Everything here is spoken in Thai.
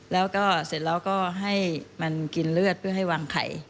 แล้วก็เสร็จแล้วก็ให้มันกินเลือดเพื่อให้วางไข่